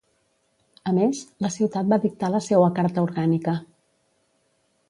A més, la ciutat va dictar la seua Carta Orgànica.